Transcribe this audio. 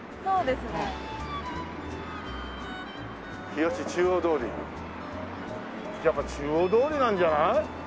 「日吉中央通り」やっぱ中央通りなんじゃない？